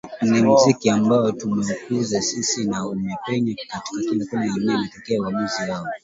Ni muziki ambao tumeukuza sisi na umepenya kila kona ya dunia Ikitaoa uamuzi huo